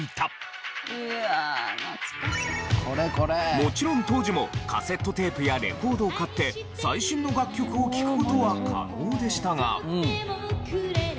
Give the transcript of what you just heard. もちろん当時もカセットテープやレコードを買って最新の楽曲を聴く事は可能でしたが。